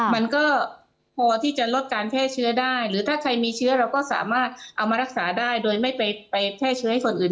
มันก็พอที่จะลดการแพร่เชื้อได้หรือถ้าใครมีเชื้อเราก็สามารถเอามารักษาได้โดยไม่ไปแพร่เชื้อให้คนอื่น